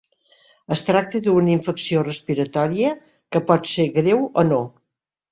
Es tracta d'una infecció respiratòria que pot ser greu o no.